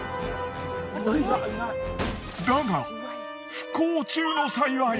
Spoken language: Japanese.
だが不幸中の幸い！